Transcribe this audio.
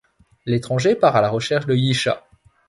L’Étranger part à la recherche de Yeesha.